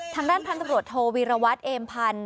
ทางด้านพันธบรวจโทวีรวัตรเอมพันธ์